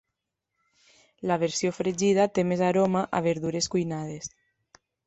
La versió fregida té més aroma a verdures cuinades.